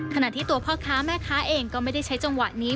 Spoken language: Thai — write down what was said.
ขณะที่ตัวพ่อค้าแม่ค้าเองก็ไม่ได้ใช้จังหวะนี้